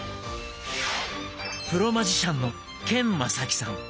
プロマジシャンのケン正木さん。